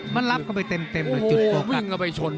มันรับเข้าไปเต็มเลยจุดโกรธกัน